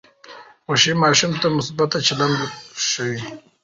خوښي ماشوم ته مثبت چلند ښووي.